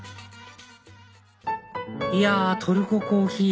いやトルココーヒー